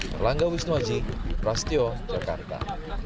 terlangga wisnuwaji rastio jakarta